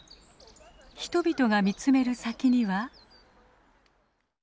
人々が見つめる先には？